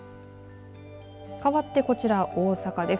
かわって、こちら大阪です。